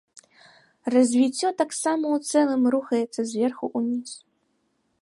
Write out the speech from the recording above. Развіццё таксама ў цэлым рухаецца зверху ўніз.